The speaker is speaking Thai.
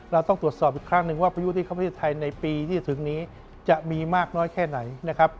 เราต้องตรวจสอบอีกครั้งหนึ่งว่าพายุที่เข้าประเทศไทยในปีที่จะถึงนี้จะมีมากน้อยแค่ไหนนะครับ